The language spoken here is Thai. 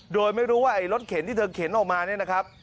โดยไม่รู้ว่าไอ้รถเข็นที่เธอเข็นออกมาเนี่ยนะครับ